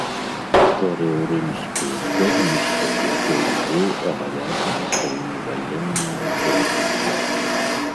Стварыў рымскую конніцу, якой і быў абавязаны сваімі ваеннымі поспехамі.